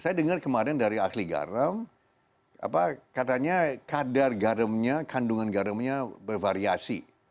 saya dengar kemarin dari ahli garam katanya kadar garamnya kandungan garamnya bervariasi